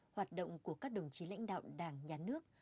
hoạt động của các đồng chí lãnh đạo đảng nhà nước